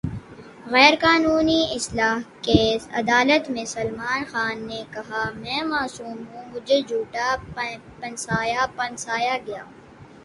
غیر قانونی اسلحہ کیس : عدالت میں سلمان خان نے کہا : میں معصوم ہوں ، مجھے جھوٹا پھنسایا گیا